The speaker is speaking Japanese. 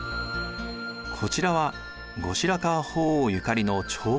こちらは後白河法皇ゆかりの長講堂。